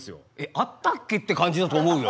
「あったっけ？」って感じだと思うよ。